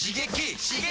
刺激！